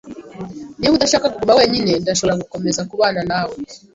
Niba udashaka kuguma wenyine, ndashobora gukomeza kubana nawe.